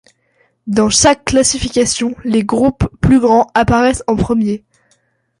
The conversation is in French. Dans chaque classification, les groupes plus grands apparaissent en premier.